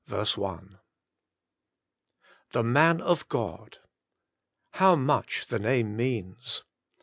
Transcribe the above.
1 The man of God! How much the name means!